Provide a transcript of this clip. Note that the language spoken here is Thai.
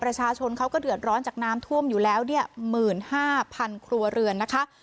ประชาชนเขาก็เดือดร้อนจากน้ำท่วมอยู่แล้ว๑๕๐๐๐ครัวเรือนนะคะ